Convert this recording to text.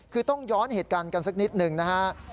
คือต้องย้อนเหตุการณ์กันสักนิดหนึ่งนะฮะ